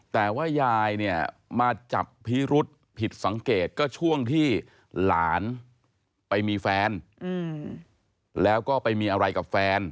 แต่ว่ายายเนี่ยมาจับพิรุษผิดสังเกตก็ช่วงที่หลานไปมีแฟนแล้วก็ไปมีอะไรกับแฟน